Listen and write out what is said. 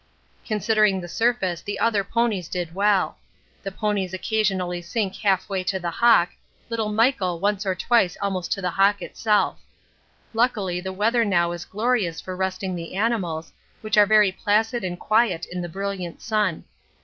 Considering the surface the other ponies did well. The ponies occasionally sink halfway to the hock, little Michael once or twice almost to the hock itself. Luckily the weather now is glorious for resting the animals, which are very placid and quiet in the brilliant sun.